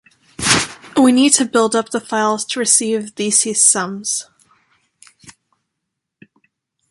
We needed to build up the files to receive theses sums.